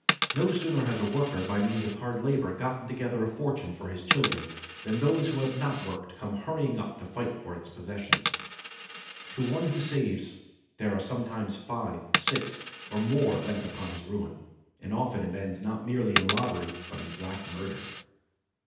No sooner has a worker by means of hard labor gotten together a fortune for his children than those who have not worked come hurrying up to fight for its possession. To one who saves there are sometimes five, six or more bent upon his ruin; and often it ends not merely in robbery but in black murder!